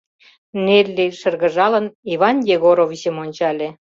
Нелли, шыргыжалын, Иван Егоровичым ончале.